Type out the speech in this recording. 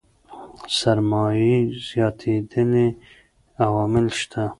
سرمايې زياتېدنې عوامل شته.